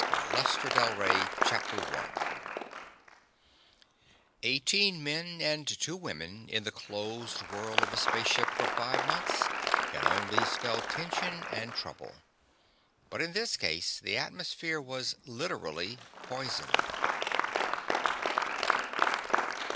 BY LESTER DEL REY ILLUSTRATED BY EBERLE Eighteen men and two women in the closed world of a space ship for five months can only spell tension and trouble but in this case, the atmosphere was literally poisoned.